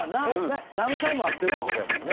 何回も会ってるってことやもんね。